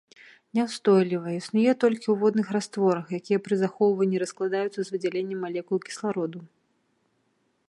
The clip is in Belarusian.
Няўстойлівая, існуе толькі ў водных растворах, якія пры захоўванні раскладаюцца з выдзяленнем малекул кіслароду.